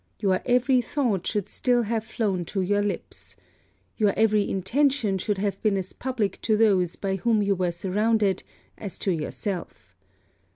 Your every thought should still have flown to your lips. Your every intention should have been as public to those by whom you were surrounded as to yourself.